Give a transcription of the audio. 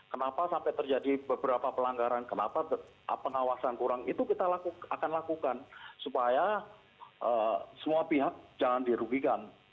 kenapa sampai terjadi beberapa pelanggaran kenapa pengawasan kurang itu kita akan lakukan supaya semua pihak jangan dirugikan